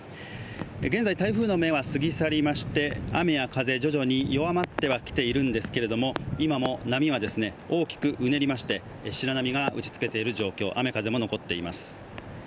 現在台風の目は過ぎ去りまして雨風徐々に弱まってはきているんですけれども今も波はですね大きくうねりまして白波が打ちつけている状況、雨風も残っています